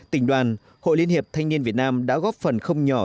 tỉnh đoàn hội liên hiệp thanh niên việt nam đã góp phần không nhỏ